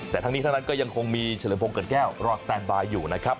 แต่ทั้งนี้ทั้งนั้นก็ยังคงมีเฉลิมพงศเกิดแก้วรอสแตนบายอยู่นะครับ